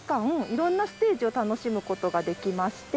いろんなステージを楽しむことができまして。